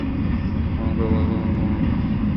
না, তা বলতে চাচ্ছি না, মহাকাশের চেয়ে অন্তত ভালো।